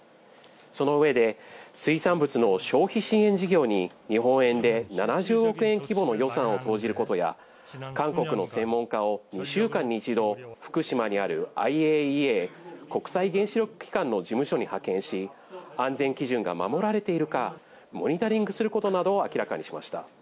その上で、水産物の消費支援事業に、日本円で７０億円規模の予算を投じることや、韓国の専門家を２週間に１度、福島にあるＩＡＥＡ・国際原子力機関の事務所に派遣し、安全基準が守られているか、モニタリングすることなどを明らかにしました。